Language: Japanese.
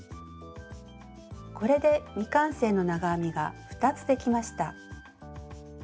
これで未完成の長編みが２つできました。